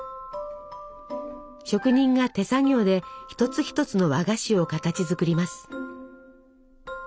職人が手作業で一つ一つの和菓子を形づくります。